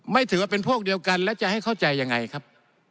ไม่ถือว่าเป็นพวกเดียวกันและจะให้เข้าใจยังไงครับ